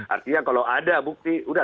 artinya kalau ada bukti udah